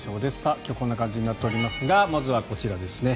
今日こんな感じになっておりますがまずこちらですね。